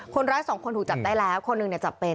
คนร้ายสองคนถูกจับได้แล้วคนหนึ่งจับเป็น